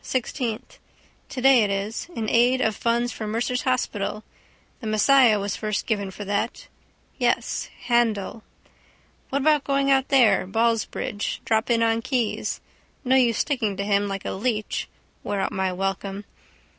Sixteenth. Today it is. In aid of funds for Mercer's hospital. The Messiah was first given for that. Yes. Handel. What about going out there: Ballsbridge. Drop in on Keyes. No use sticking to him like a leech. Wear out my welcome.